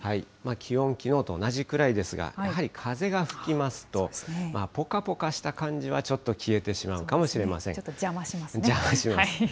気温、きのうと同じくらいですが、やはり風が吹きますと、ぽかぽかした感じはちょっと消えてしまうちょっと邪魔しますね。